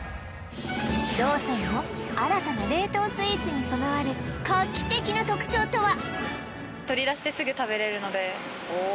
ローソンの新たな冷凍スイーツに備わる画期的な特徴とは？